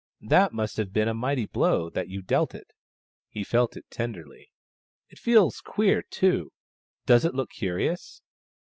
That must have been a mighty blow that you dealt it." He felt it tenderly. " It feels queer, too. Does it look curious